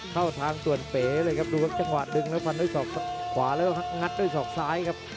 เข้าทางส่วนเป๋เลยครับดูครับจังหวะดึงแล้วฟันด้วยศอกขวาแล้วก็งัดด้วยศอกซ้ายครับ